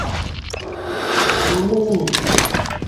دُورݸت